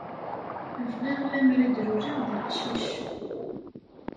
Bɣiɣ lemer i d-luleɣ d aqcic.